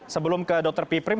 sebelum ke dr piprim